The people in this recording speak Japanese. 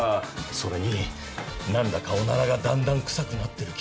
それに何だかおならがだんだん臭くなってる気がして。